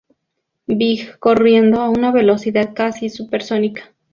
Big corriendo a una velocidad casi supersónica.